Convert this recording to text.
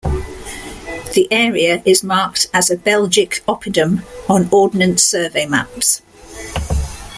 The area is marked as a "Belgic oppidum" on Ordnance Survey maps.